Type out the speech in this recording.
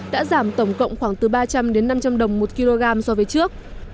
đã giảm tổng cộng khoảng từ ba trăm linh đến năm trăm linh đồng một kg so với trước